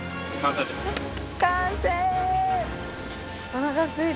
完成！